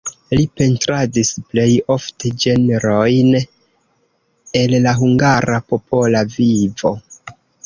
Li pentradis plej ofte ĝenrojn el la hungara popola vivo.